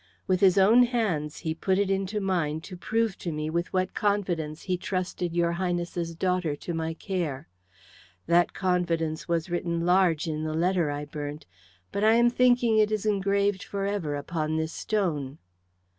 With his own hands he put it into mine to prove to me with what confidence he trusted your Highness's daughter to my care. That confidence was written large in the letter I burnt, but I am thinking it is engraved for ever upon this stone."